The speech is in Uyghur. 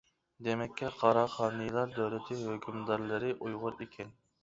دېمەككى قاراخانىيلار دۆلىتى ھۆكۈمدارلىرى ئۇيغۇر ئىكەن.